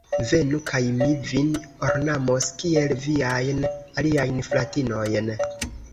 Venu, kaj mi vin ornamos kiel viajn aliajn fratinojn!